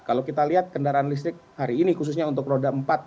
kalau kita lihat kendaraan listrik hari ini khususnya untuk roda empat